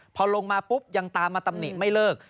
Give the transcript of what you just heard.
พอลงมาปุ๊บยังตามมาตำหนิไม่เลิก